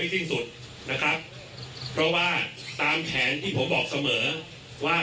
สิ้นสุดนะครับเพราะว่าตามแผนที่ผมบอกเสมอว่า